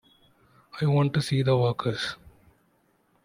I want to see the workers.